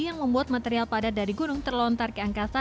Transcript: yang membuat material padat dari gunung terlontar ke angkasa